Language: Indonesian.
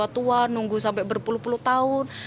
yang sudah tua tua yang sudah nunggu sampai berpuluh puluh tahun